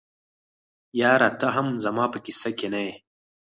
یاره ته هم زما په کیسه کي نه یې.